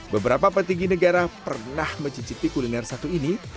beberapa petinggi negara pernah mencicipi kuliner satu ini